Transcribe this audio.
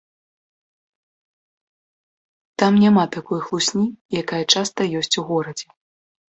Там няма такой хлусні, якая часта ёсць у горадзе.